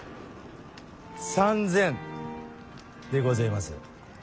３，０００でごぜます。